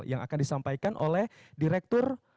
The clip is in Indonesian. yang akan disampaikan oleh direktur pengolahan kelapa sawit